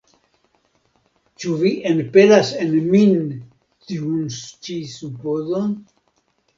ĉu vi enpelas en min tiun ĉi supozon?